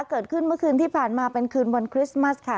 เกิดขึ้นเมื่อคืนที่ผ่านมาเป็นคืนวันคริสต์มัสค่ะ